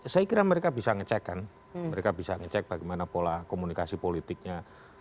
saya kira mereka bisa ngecek kan mereka bisa ngecek bagaimana pola komunikasi politiknya